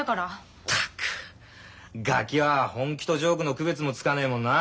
ったくガキは本気とジョークの区別もつかねえもんなあ。